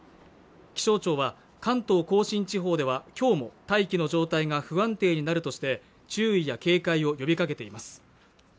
気象庁は関東甲信地方ではきょうも大気の状態が不安定になるとして注意や警戒を呼びかけています